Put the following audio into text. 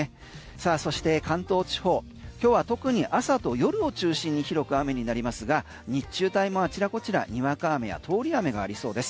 そして関東地方今日は特に朝と夜を中心に広く雨になりますが日中帯もあちらこちらにわか雨や通り雨がありそうです。